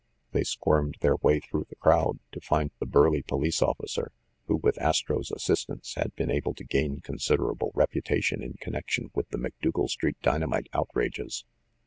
They squirmed their way through the crowd, to find the burly police officer who, with Astro's assistance, had been able to gain considerable reputation in con nection with the Macdougal Street dynamite outrages.